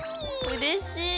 うれしい！